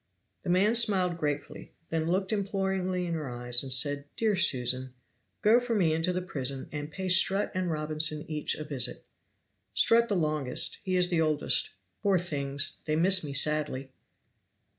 The man smiled gratefully, then looked imploringly in her eyes, and said, "Dear Susan, go for me into the prison and pay Strutt and Robinson each a visit. Strutt the longest, he is the oldest. Poor things! they miss me sadly."